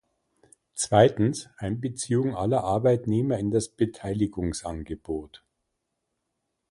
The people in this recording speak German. Zweitens Einbeziehung aller Arbeitnehmer in das Beteiligungsangebot.